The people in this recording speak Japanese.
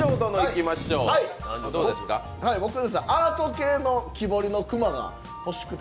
僕、アート系の木彫りの熊が欲しくて。